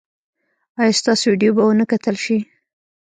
ایا ستاسو ویډیو به و نه کتل شي؟